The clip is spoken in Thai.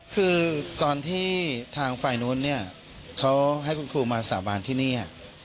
คือตอนที่ทางฝ่ายนู้นเนี่ยเขาให้คุณครูมาสาบานที่นี่